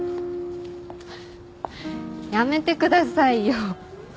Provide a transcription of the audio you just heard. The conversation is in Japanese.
やめてくださいよ。